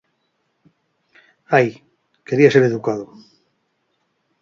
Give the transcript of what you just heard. Ai... Quería ser educado.